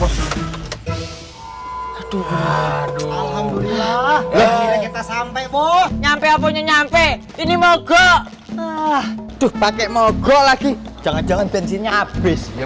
sampai nyampe nyampe ini mogok ah tuh pakai mogok lagi jangan jangan bensinnya abis ya